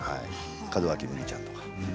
門脇麦ちゃんとか。